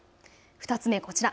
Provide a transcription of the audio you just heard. ２つ目こちら。